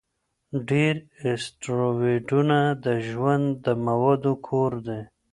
ډېر اسټروېډونه د ژوند د موادو کور دي.